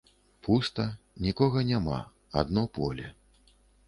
Пуста, нікога няма, адно поле.